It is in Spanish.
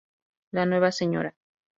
La nueva Sra.